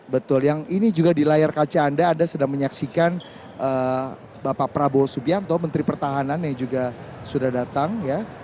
betul yang ini juga di layar kaca anda anda sedang menyaksikan bapak prabowo subianto menteri pertahanan yang juga sudah datang ya